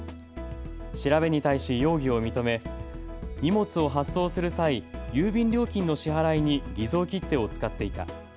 調べに対し容疑を認め荷物を発送する際、郵便料金の支払いに偽造切手を使っていた。